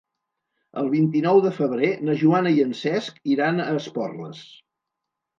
El vint-i-nou de febrer na Joana i en Cesc iran a Esporles.